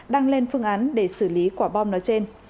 đang lên phương án để xử lý quả bom nói trên